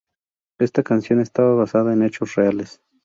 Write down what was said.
Esta canción está basada en hechos reales.